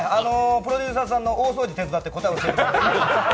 プロデューサーさんの大掃除を手伝ったら、答え教えてくれました。